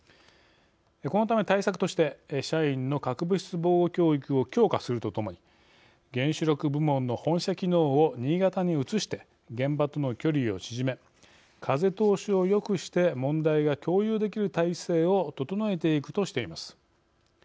このため、対策として社員の核物質防護教育を強化するとともに原子力部門の本社機能を新潟に移して現場との距離を縮め風通しをよくして問題が共有できる体制を整えていくとしています。